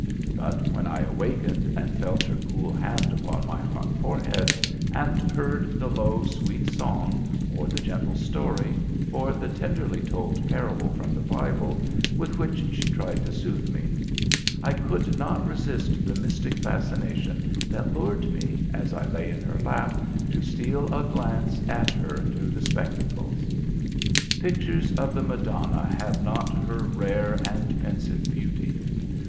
But when I awakened, and felt her cool hand upon my hot forehead, and heard the low, sweet song, or the gentle story, or the tenderly told parable from the Bible, with which she tried to soothe me, I could not resist the mystic fascination that lured me, as I lay in her lap, to steal a glance at her through the spectacles. "Pictures of the Madonna have not her rare and pensive beauty.